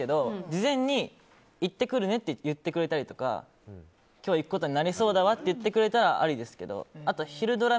事前に行ってくるねって言ってくれたり今日行くことになりそうだわって言ってくれたらありですけどあとひるドラ！